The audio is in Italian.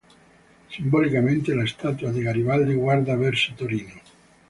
Simbolicamente, la statua di Garibaldi guarda verso Torino.